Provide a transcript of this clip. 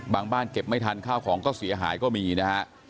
บ้านเก็บไม่ทันข้าวของก็เสียหายก็มีนะฮะ